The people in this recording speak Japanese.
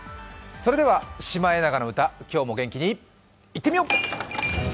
それでは「シマエナガの歌」今日も元気にいってみよう！